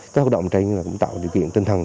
các hợp động trên là tạo điều kiện tinh thần